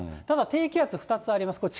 ただ、低気圧２つあります。